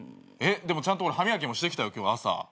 でもちゃんと歯磨きもしてきたよ朝。